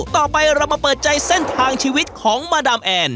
ต่อไปเรามาเปิดใจเส้นทางชีวิตของมาดามแอน